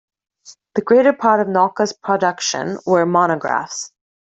The greater part of Nauka's production were monographs.